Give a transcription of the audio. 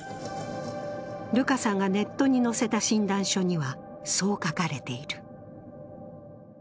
ルカさんがネットに載せた診断書には、そう書かれている。